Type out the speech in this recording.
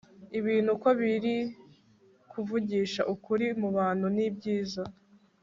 ibintu uko biri kuvugisha ukuri mubantu nibyiza